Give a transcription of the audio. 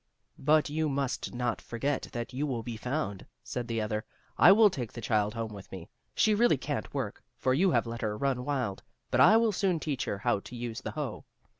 "But you must not forget that you will be found," said the other. "I will take the child home with me. She really can't work, for you have let her run wild, but I will soon teach her how to use the hoe.